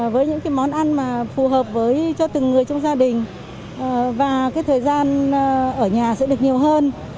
với những món ăn mà phù hợp với cho từng người trong gia đình và cái thời gian ở nhà sẽ được nhiều hơn